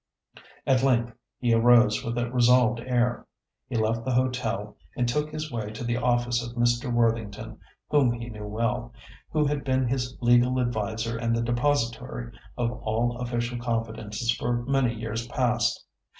At length he arose with a resolved air. He left the hotel, and took his way to the office of Mr. Worthington, whom he knew well, who had been his legal adviser and the depository of all official confidences for many years past.